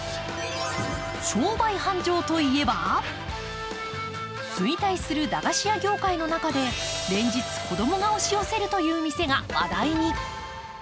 商売繁盛といえば衰退する駄菓子屋業界の中で連日、子供が押し寄せるという店が話題に。